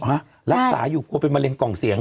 รักษาอยู่กลัวเป็นมะเร็กล่องเสียง